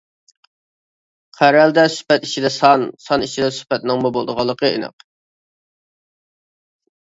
قەرەلىدە سۈپەت ئىچىدە سان، سان ئىچىدە سۈپەتنىڭمۇ بولىدىغانلىقى ئېنىق.